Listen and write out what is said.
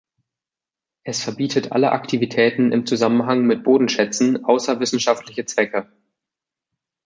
Es verbietet alle Aktivitäten im Zusammenhang mit Bodenschätzen außer wissenschaftliche Zwecke.